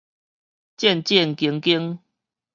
戰戰兢兢